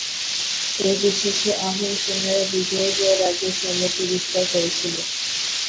এই বিশ্বাসে আহোম সেনারা বিজয়ী হয়ে রাজ্যের সমৃদ্ধি বিস্তার করেছিল।